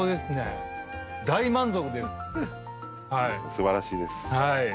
素晴らしいです。